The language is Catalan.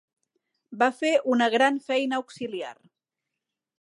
Va fer una gran feina auxiliar.